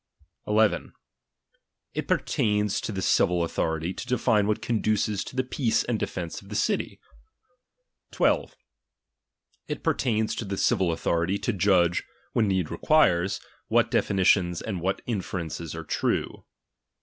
II. It pertains to the civil authority, to define what conduces to the peace and defence of the city. 12. It pertains to the civil authority, to judge (when need re quires) what definitions and what inferences are true.